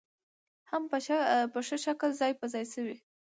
هم په ښه شکل ځاى په ځاى شوې .